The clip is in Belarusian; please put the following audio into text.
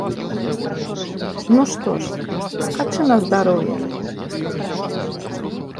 Ну, што ж, скачы на здароўе.